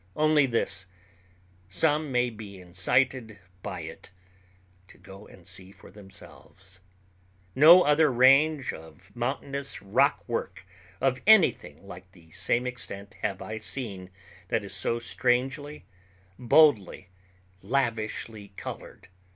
Only this: some may be incited by it to go and see for themselves. No other range of mountainous rock work of anything like the same extent have I seen that is so strangely, boldly, lavishly colored.